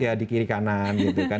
ya di kiri kanan gitu kan